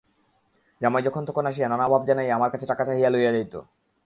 জামাই যখন-তখন আসিয়া নানা অভাব জানাইয়া আমার কাছে টাকা চাহিয়া লইয়া যাইত।